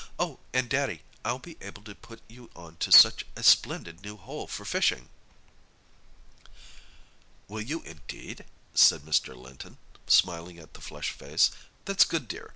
"Oh, and, Daddy, I'll be able to put you on to such a splendid new hole for fishing!" "Will you, indeed?" said Mr. Linton, smiling at the flushed face. "That's good, dear.